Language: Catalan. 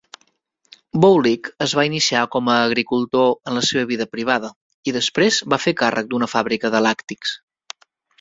Boulic es va iniciar com a agricultor en la seva vida privada i després va fer càrrec d'una fàbrica de làctics.